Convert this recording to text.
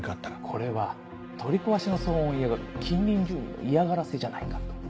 これは取り壊しの騒音を嫌がる近隣住民の嫌がらせじゃないかと。